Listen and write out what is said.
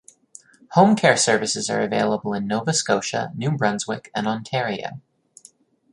Home care services are available in Nova Scotia, New Brunswick, and Ontario.